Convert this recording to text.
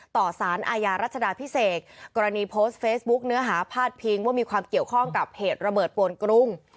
ต่อสารอาญารัชดาพิเศษกรณีโพสต์เฟซบุ๊คเนื้อหาพาดพิงว่ามีความเกี่ยวข้องกับเหตุระเบิดปวนกรุง